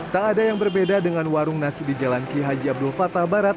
tak ada yang berbeda dengan warung nasi di jalan ki haji abdul fatah barat